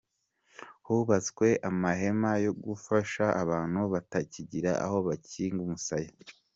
Hubatswe amahema yo gufasha abantu batakigira aho bakika umusaya.